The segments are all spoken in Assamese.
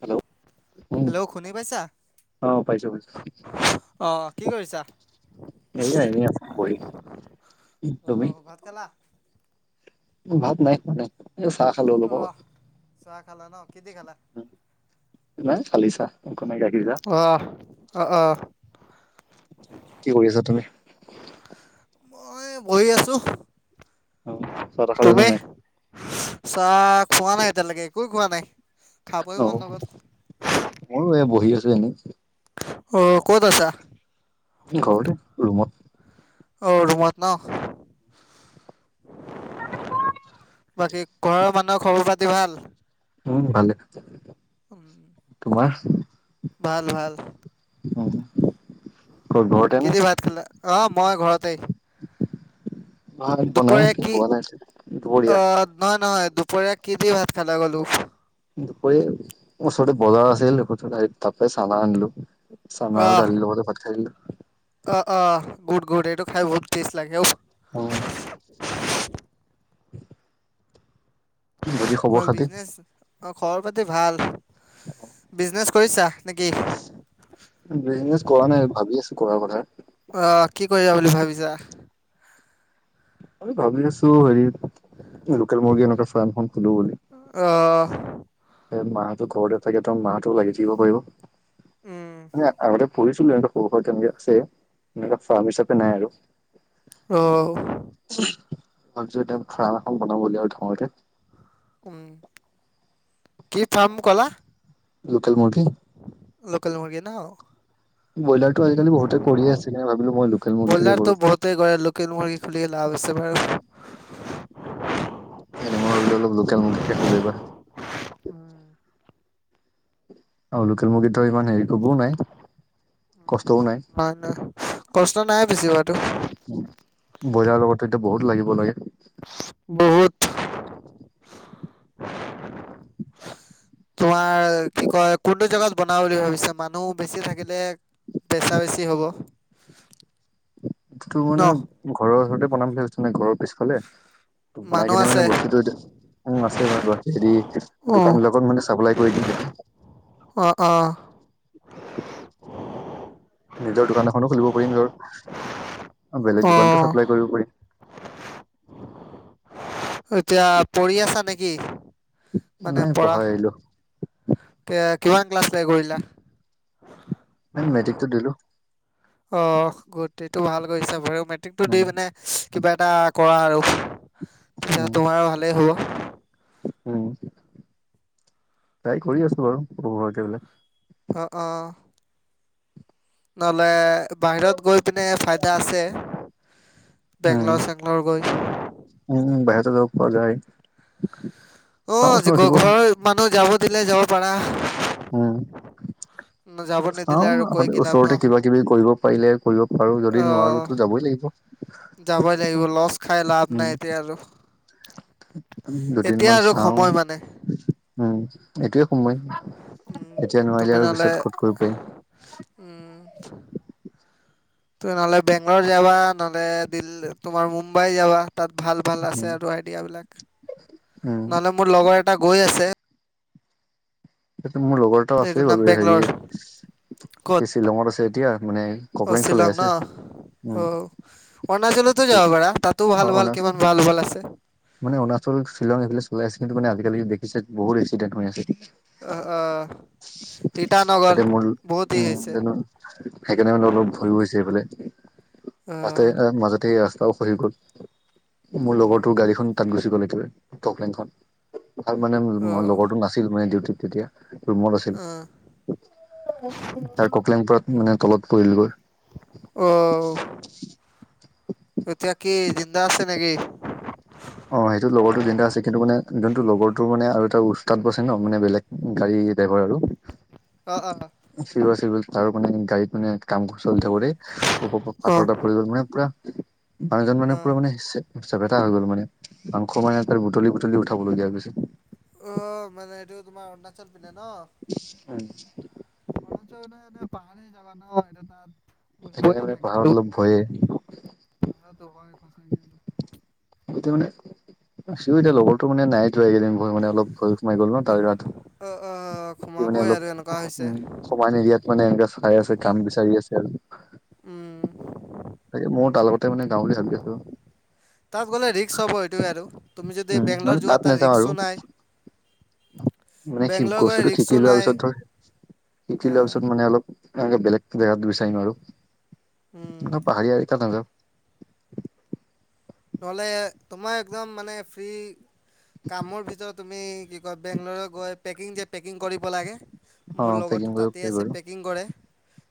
হেল্ল'! উম হেল্ল' শুনি পাইছা? অ পাইছো পাইছো অ, কি কৰিছা? এয়া এনেই আছো বহি। তুমি? অঁ ভাত খালা ভাত নাই খোৱা নাই। এই চাহ খালো অলপ আগত অহ, চাহ খালা ন? কি দি খালা? নাই খালী চাহ, একো নাই, গাখীৰ চাহ। অ, অ, কি কৰি আছা তুমি? মই বহি আছো। অ', চাহ তাহ খালা নে নাই? চাহ খোৱা নাই এতিয়ালৈকে, একোৱে খোৱা নাই। খাবই মন অ', নগ'ল ময়ো এয়া বহি আছো এনেই। অ', ক'ত আছা? ঘৰতে, ৰুমত। অ', ৰুমত ন? বাকী ঘৰৰ মানুহৰ খবৰ খাতি ভাল? উম, ভালে। উম, তোমাৰ? ভাল ভাল। উম। ক'ত ঘৰতে কি নে দি ভাত খালা? অহ, মই ঘৰতেই। ভাত বনাই দুপৰীয়া আছে কি, খোৱা নাই চাগে। অ, দুপৰীয়া নহয় নহয় দুপৰীয়া কি দি ভাত খালা গ'লো? দুপৰীয়া এই ওচৰতে বজাৰ আছিল, [unintelligible] তাপাই চানা আনিলোঁ। চানা আৰু অঁ দালিৰ লগতে ভাত খাই দিলোঁ। অঁ অঁ গুড গুড, এইটো খাই বহুত টেষ্ট লাগে, ওফ্। অ, [inaudible] বাকী, খবৰ খাতি? অ', খবৰ পাতি ভাল, বিজনেচ কৰিছা নে কি? বিজনেছ কৰা নাই, ভাবি আছো কৰাৰ কথা। আহ, কি কৰিবা বুলি ভাবিছা? এই ভাবি আছো হেৰি লোকেল মুৰ্গী এনেকুৱা চোৱান এখন খোলো বুলি অহ', এ মা হটো ঘৰতে থাকে, ত' মা হঁতেও লাগি থাকিব উম, পাৰিবে। আগতে কৰিছিলো এনেকে সৰু সুৱা তেনেকে আছে, এনেকে ফাৰ্ম হিাপে নাই আৰু। অ', ভাবিছোঁ এতিয়া ফাৰ্ম এখন বনাম [unintelligible] উম, কি ফাৰ্ম ক'লা? লোকেল মুৰ্গী। কেল মুৰ্গী ন'? ব্ৰইলাৰটো আজিকালি বহুতে কৰিয়ে আছে সেইকাৰণে ভাবিলো মই লোকেল মুৰ্গীটোকে কৰো বইলাৰটো বহুতে কৰে, লোকেল মুৰ্গী খুলিয়ে লাভ আছে। [unintelligible] সেইকাৰনে মই ভাবিলোঁ অলপ লোকেল মুৰ্গীকে খুলোঁ এইবাৰ। আৰু লোকেল মুৰ্গীটু ইমান হেৰি কবও নাই, কষ্টও নাই। নহয় নহয় কষ্ট নাই বেছিভাগ। ব্ৰইলাৰ লগতো এতিয়া বহুত লাগিব লাগে। বহুত! বনাও বুলি ভাবিছা, মানুহ বেছি থাকিলে পেছা বেছ হ'ব। তোৰ ন মানে ঘৰৰ চৰতে বনাম বুলি ভাবিছোঁ মানে, ঘৰৰ পিছফালে। ত' বনাই মানুহ কিনে আছে মানে বস্তুটো এতিয়া উম, আছে বাৰু ব হেৰি দোকান অঁ বিলাকত মানে চাপ্লাই কৰি দিম তেতিয়া অ', অ', নিজৰ দোকান এখনো খুলিব পাৰিম ধৰ। অ, বেলেগ দোকানতো অঁ চাপ্লাই কৰিব পাৰিম। এতিয়া পঢ়ি আছা নে কি? মানে নাই পঢ়া, পঢ়াই আহিলো কে কিমান ক্লাছ লেকে কৰিলা? মেট্ৰিকটো দিলো। অ', গুড এইতো ভাল কৰিছা বাৰু, মেট্ৰিকটো দি উম মানে কিবা এটা কৰা আৰু, তেতিয়া উম তোমাৰো ভালেই হ'ব। উম, ট্ৰাই কৰি আছো বাৰু [unintelligible] অহ, অ', নহলে, বাহিৰত গৈ পিনে ফাইদা আছে। উম বেংগলৰ চেংগলৰ গৈ। উম, বাহিৰতো যাব পৰা যায়। অ', চাওঁচোন আজি ৰখিব ঘ-ঘৰৰ মানুহ যাব দিলে যাব পাৰা। উম, ন- যাব নিদিলে চাও আৰু কৈ আগতে কি লাভ ন ওচৰতে কিবা কিবি কৰিব পাৰিলে কৰিব পাৰো, যদি নোৱাৰো অঁ ত' যাবই লাগিব। যাবই লাগিব, লষ্ট খাই লাভ নাই এতিয়া আৰু। দুদিন এতিয়া মান আৰু চাও, সময় মানে উম, এইটোয়ে সময়। এতিয়া তুমি নোৱাৰিলে আৰু নহ'লে পিছত ক'ত কৰিব পাৰিম। [inaudible] তুমি নহলে বেংগলৰ, যাবা নহলে দিল্লী, তোমাৰ মুম্বাই যাবা। তাত ভাল ভাল আছে উম আৰু আইডিয়াবিলাক, উম নহ'লে মোৰ লগৰ এটা গৈ আছে সেইটো মোৰ লগৰ এটাও এইটোৰ আছেই নাম বাৰু হেৰি, বেংগলৰ ক'ত সি শ্বিলঙত আছে এতিয়া মানে ফকলেঙ চলাই আছে। নহ, উম অও, অৰুণাচলতো যাব ত পাৰা, তাতো ভাল ভাল অনাৰ্চ কিমান ভাল ভাল আছে। মানে অৰুণাচল, শ্বিলং এইফালে চলাই আছিলে, কিন্তু মানে আজিকালি দেখিছে বহুত এক্সিডেণ্ট হৈ আছে। অহ, অ', তাতে মোৰ উম, হৈছে জানো সেইকাৰণে মানে অলপ ভয়ো হৈছে এইফালে। আহ তাতেই অ, মাজতে এই ৰাস্তাও খহি গল, মোৰ উম লগৰটোৰ গাড়ীখন তাত গুচি গ'ল একেবাৰে, ফকলেনখন। আৰু মানে অ মোৰ লগৰটো নাছিল মানে ডিউটিত তেতিয়া। ৰুমত আছিল, আহ তাৰ ফকলেং পোৰা মানে তলত পৰিলগৈ। অহ', এতিয়া দা আছে নেকি? অ', সেইটো লগৰটো জিন্দা আছে, কিন্তু মানে যোনটো লগৰটো মানে আৰু এটা উস্তাত বছে ন' মানে বেলেগ গাড়ীত সিয়েই ড্ৰাইভৰ আৰু, অ অ [unintelligible] আৰু মানে গাড়ীত মানে, কাম চলি থাকোঁতেই, ওপৰৰ পৰা অ পাঠৰ এটা অ পৰি গল, মানে পুৰা মানুহজন মানে পুৰা মানে চে-চেপেটা হৈ গ'ল মানে। মাংস মানে তাৰ বুটলি, বুটলি উঠাবলগিয়া হৈ গৈছে। অ', মানে এইটো তোমাৰ অৰুণাচল ন, [unintelligible] পাহাৰী জাগা ন, এতিয়া তাত সেইকাৰণে হৈয়েই মানে থাকে, আৰু পাহাৰত অলপ ভয়ে পাহাৰো হয়। সঁচাকে আৰু এতিয়া মানে, সিও এতিয়া মানে লগৰটো মানে নাই যোৱা, এইকেইদিন ঘৰ মানে অলপ ভয়, সোমাই গ'ল ন, তাৰ গাটো। অ অ সি মানে সোমাবই অলপ আৰু উ, এনেকুৱা হৈছে সমান এৰিয়াত মানে এ, এনেকা চাই আছে, কাম বিচাৰি আছে, উম আৰু। তাকে ময়ো তাৰ লগতে মানে যাওঁ বুলি ভাবি আছো। তাত গ'লে ৰিক্স হ'ব সেইটোৱে আৰু তুমি যদি উম মানে বেংগলৰ যোৱা তাত নাযাওঁ আৰু ৰিক্সো নাই। [inaudible] মানে বেংগলৰ গ'লে বস্তুটো শিকি ৰিক্সো লোৱা নাই পিছত ধৰ শিকি আ লোৱা পিছত মানে অলপ লাহেকে বেলেগ জেগাত বিচাৰিম আৰু। উম ন, পাহা়ৰিয়া এলেকাত নাযাও। নহলে, তোমাৰ একদম মানে ফ্ৰী কামৰ ভিতৰত তুমি কি কয় বেংগল গৈ পেকিং যে, পেকিং কৰিব লাগে। অ মোৰ পেকিং লগৰটো কৰিব তাতেই পাৰিব আছে, আৰু পেকিং কৰে।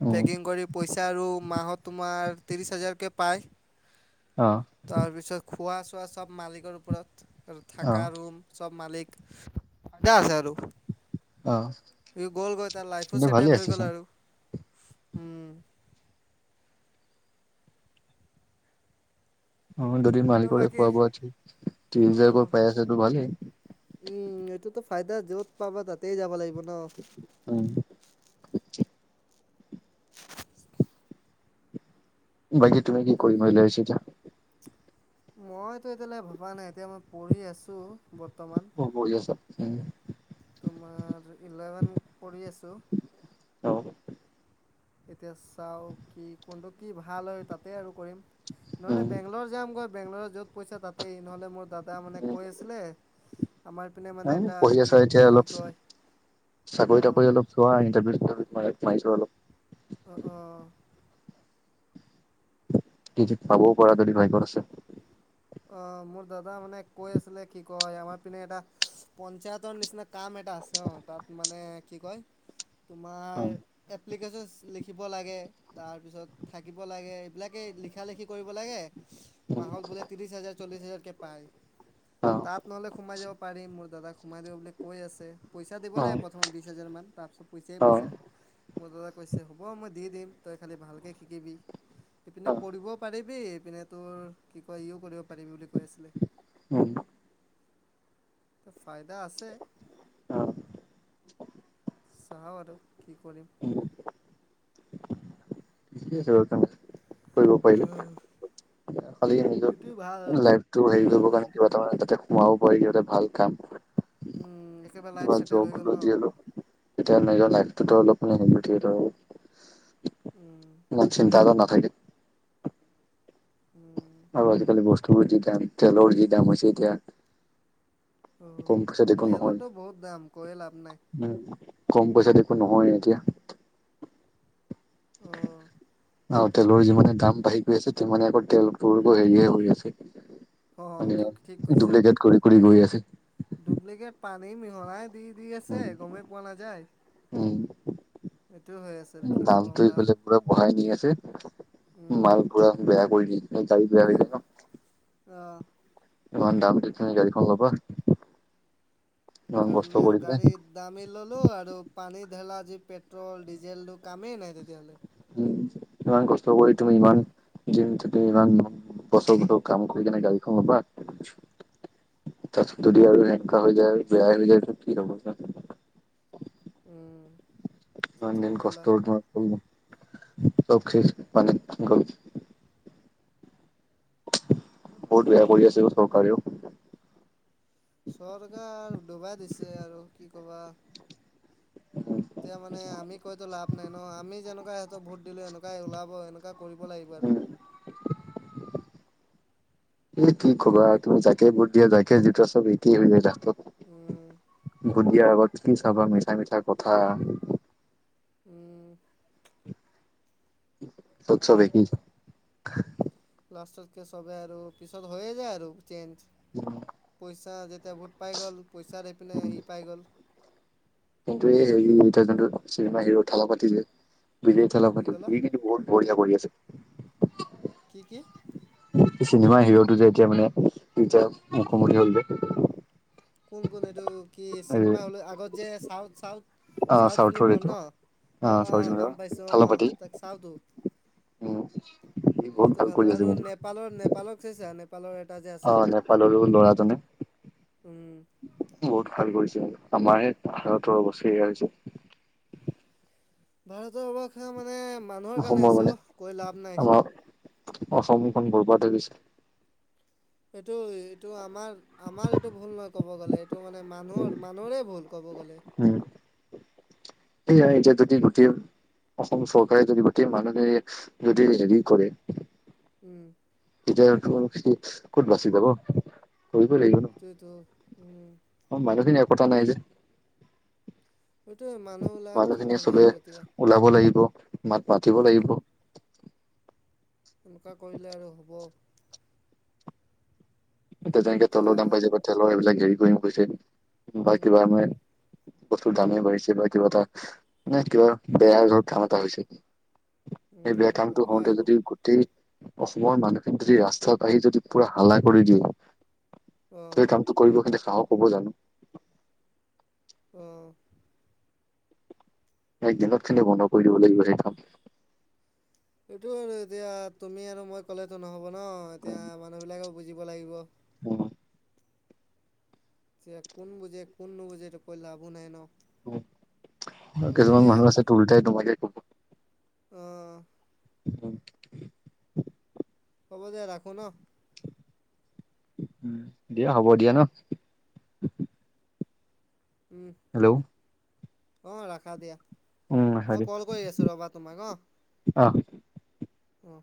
উম পেকিং কৰি পইচা আৰু মাহত তোমাৰ ত্ৰিছ হাজাৰকে পায়। অহ। তাৰ পিছত খোৱা, চোৱা চব মালিকৰ ওপৰত অ থাকা ৰুম চব। মালিক, তাজা আছে আৰু। অ গ'লগৈ, তাৰ লাইফো কিন্তু ভালে ছেটেল হৈ আছেচোন। গ'ল আৰু। উম। অ, যদি আৰু মালিকৰে বাকী খোৱা, বোৱা ত্ৰিশ অ হাজাৰকৈ পাই আছেটো ভালেই। উম, এইটোতো ফাইদা য'ত পাবা তাতেই যাব লাগিব ন। উম, [inaudible] বাকী, তুমি কি কৰিম বুলি ভাবিছা এতিয়া? মইতো এতিয়ালৈ ভবা নাই, এতিয়া মই পঢ়ি আছো। অ, পঢ়ি আছা। তোমাৰ ইলেভেন কৰি আছো। অ'। এতিয়া চাও কি, কোনটো কি ভাল হয় তাতে আৰু। ম, নহ'লে উম, বেংগলৰ যাম গৈ, বেংগল য'ত পইছা তাতেই নহলে মোৰ দাদ দা, মানে কৈ আছিলে আমাৰ পিনে এ, মানে এটা পঢ়ি আছা ই এতিয়া কি অলপ কয় চাকৰি, অ', তাকৰি অলপ চোৱা ইটাৰভিউাৰভিউ মাৰি চোৱা অলপ। অ', অ'। কি ঠিক পাবও পাৰা যদি ভাগ্যত আছে। অ, মোৰ দাদা মানে কৈ আছিলে কি কয় আমাৰ পিনে এটা পঞ্চায়তৰ নিচিনা কাম এটা আছে। অ, তাত‌ মানে কি কয় অ', এপ্লিকেচন লিখিব লাগে, তাৰপিছত থাকিব লাগে, এইবিলাকেই লিখা, লেখি কৰিব লাগে। মাহত বোলে ত্ৰিশ হাজাৰ, চল্লিশ হাজাৰ কে পায়। তাত নহলে, সোমাই যাব পাৰি। মোৰ দাদাক সোমাই দিব বুলি কৈ আছে। পইচা দিব অ', লাগে প্ৰথমত বিশ হাজাৰমান তাৰপিছত পইচাই, পইচা মোৰ দাদা কৈছে হ'ব, মই দি দিম তই খালি ভালকে শিকিবি ইপিনে পঢ়িবও পাৰি। বি, ইপিনে তোৰ কি কয় ইও কৰিব পাৰিবি বুলি কৈ আছিলে। উম, ফাইদা আছে। চাওঁ আৰু কি কৰিম। উম, ঠিকে আছে বাৰু তেন্তে। কৰিব পাৰিলে, খালি সেইটোৱে ভাল নিজৰ লাইফটো হেৰি কৰিব কাৰণে কিবা এটা যাতে সোমাব পাৰি সিহঁতে ভাল কাম উম, একেবাৰে লাইফ কিবা ছেটেল জব হৈ গ'ল হ'লেও ন যি হ'লেও এতিয়া নিজৰ লাইফটোতো অলপ মানে উম, [unintelligible] ইমান চিন্তা [unintelligible] থাকে উম আৰু আজিকালি বস্তুবোৰৰ যি দাম তেলৰ যি দাম হৈছে এতিয়া অ'। কম পইচাত একো তেলৰতো বহুত দাম কৈয়ে লাভ নাই নহয় উম কম পইচাত একো নহয়ে এতিয়া অঁ [inaudible] অ তেলৰ যিমানে দাম বাঢ়ি গৈ আছে তিমানে আকৌ তেলবোৰ হেৰিয়ে হৈ আছে অঁ সেইটো ঠিক মানে কৈছা ডুপ্লিকেট কৰি কৰি গৈ আছে ডুপ্লিকেট পানী মিহলাই দি দি আছে উম গমেই পোৱা নাযায় উম এইটো হৈ আছে আৰু কি কওঁ দামটো বা ইফালে পুৰা বঢ়াই নি আছে উম মাইল পুৰা বেয়া কৰি [unintelligible] গাড়ী বেয়া হৈ অ' ইমান দাম দি কিনে গাড়ীখন ল'বা ইমান কাম কষ্ট নাই আৰু কৰি পিনে গাড়ী দামি ল'লো আৰু পানী [unintelligible] যি পেট্ৰোল ডিজেল ত কামেই নাই তেতিয়াহ'লে ইমান কষ্ট কৰি তুমি উম ইমান [unintelligible] [unintelligible] ইমান বছৰ বছৰ কাম কৰি কিনে গাড়ীখন লবা তাত যদি আৰু হেনকা হৈ যায় আৰু বেয়াই হৈ যায় ত কি হ'ব উম এইটো ঠিক ক'লা [unintelligible] চব শেষ পানীত গল বহত বেয়া কৰি আছে অ চৰকাৰেও [unintelligible] ডবাই দিছে আৰু কি কবা এতিয়া মানে আমি কৈতো লাভ নাই ন আমি যেনক এনেকুৱা ইহঁতৰ ভোট দিলো এনেকুৱাই ওলাব এনেকুৱা কৰিব লাগিব আৰু এই কি কবা তুমি যাকে ভোট দিয়া যাকে যিতোৱা চব একেই হৈ যায় লাষ্টত উ ভোট দিয়া আগত কি চাবা মিথা মিথা কথা উম ত চৱ একেই লাষ্টত গৈ চবে আৰু পিছত হৈ যায় আৰু পইচা যেতিয়া ভোট পাই গ'ল পইচা দি পিনে আহি পাই গ'ল কিন্তু এই হেৰি এতি যোনটো চিনেমা হিৰো থালাপাতি যে বিজয় কি থালাপাতি ক'লা সি কিন্তু বহুত বঢ়িয়া কৰি আছে কি কি চিনেমা হিৰোটো যে এতিয়া মানে এতিয়া মুখ্যমন্ত্ৰী হল যে কোন কোন এইটো কি এই চিনেমা হলে আগত যে চাউথ চাউথ আ চাউথ চাউথৰ ফিল্মৰ এইটো ন অ অ গম পাইছো অ তাক চাউটো অ এইটো খাতৰা আৰু নেপালৰ নেপালৰ চাইছা ন অ নেপালৰো লৰাজনে উম বহুত ভাল কৰিছে আমাৰ ভাৰতৰ অৱস্থা এয়া হৈছে ভাৰতৰ অৱষা মানে মানুহৰ কাৰণে অসমৰ হৈছে মানে অ কৈ লাভ নাই আমাৰ অসমখন বৰবাদ হৈ গৈছে এইটো এইটো আমাৰ আমাৰ এইটো ভুল নহয় ক'ব গ'লে এইটো মানে মানুহৰ মানুহৰে ভুল ক'ব গ'লে সেইয়া এতিয়া যদি গোটেই অসম চৰকাৰে যদি গোটেই মানুহে যদি হেৰি কৰে উম এতিয়া [unintelligible] কত বাছি পাব কৰিবই লাগিব ন' এইটোতো উম অ', মানুহখিনি একতা নাই যে এইটোৱে মানুহবিলাক কি মানুহখিনিয়ে ভাবে চবে আৰু এতিয়া ওলাব লাগিব মাত মাতিব অ', লাগিব এনেকুৱা কৰিলে আৰু হ'ব এতিয়া যেনেকে তেলৰ দাম পাইছে বা তেলৰ এইবিলাক হেৰি কৰি গৈছে বা কিবা উম, মানে বস্তুৰ দামেই বাঢ়িছে বা কিবা এটা নে কিবা বেয়া ধৰ কাম এটা হৈছে এই উম, বেয়া কামটো এনেকুৱাই হওঁতে আৰু যদি গোটেই অসমৰ মানুহখিনি যদি ৰাস্তাত আহি যদি পুৰা হাল্লা কৰি দিয়ে অ', তই কামটো কৰিব কিন্তু হাঁহক হ'ব জানো? অ'। এক দিনত কিন্তু বন্ধ কৰি দিব লাগিব সেই কাম। এইটো আৰু এতিয়া তুমি আৰু মই ক'লেতো নহব ন' এতিয়া মানুহ বিলাকে বুজিব লাগিব। যে কোন বুজে কোন নুবুজেটো কৈ লাভো নাই ন'। হ'ব কিছুমান দিয়া। মানুহ আছে উলটাই নোহোৱাকে অ', উম, হ'ব দে ৰাখো ন' উম, দিয়া হ'ব দিয়া ন'। উম, হেল্ল' অ', ৰাখা দিয়া, উম হয় মই দিয়া কল কৰি আছো ৰ'বা তোমাক অ। অ', অ'।